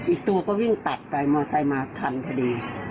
อีกตัวก็วิ่งตัดไปมอไซค์มาคันพอดี